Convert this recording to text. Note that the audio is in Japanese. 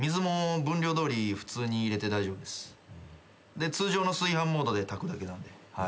で通常の炊飯モードで炊くだけなんで。